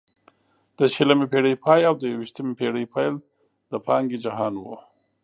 د شلمې پېړۍ پای او د یوویشتمې پېړۍ پیل د پانګې جهان وو.